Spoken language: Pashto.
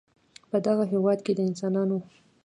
په دغه هېواد کې د انسانانو